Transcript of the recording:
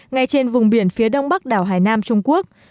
ngay trên vùng biển phía đông bắc đảo hải nam trung quốc